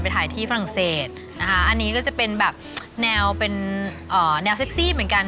ถ่ายที่ฝรั่งเศสนะคะอันนี้ก็จะเป็นแบบแนวเป็นแนวเซ็กซี่เหมือนกัน